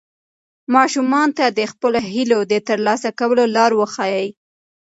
ماشومانو ته د خپلو هیلو د ترلاسه کولو لار وښایئ.